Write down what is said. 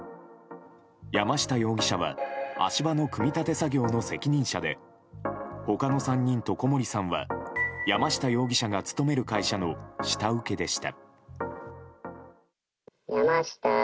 山下容疑者は足場の組み立て作業の責任者で他の３人と小森さんは山下容疑者が勤める会社の下請けでした。